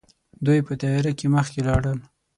دوی په تياره کې مخکې لاړل.